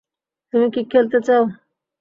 তুমি কি খেলতে চাও?